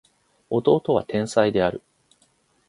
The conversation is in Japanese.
弟は天才である